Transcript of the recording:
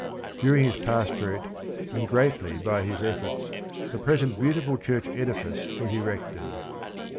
During his pastorate, and greatly by his efforts, the present beautiful church edifice was erected.